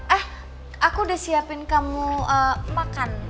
eh aku udah siapin kamu makan